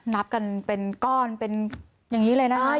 นับกันเป็นก้อนอย่างนี้เลยนะครับ